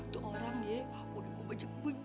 tuh orang ya udah mau ajak gue